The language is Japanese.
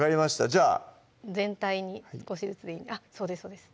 じゃあ全体に少しずつでいいんであっそうです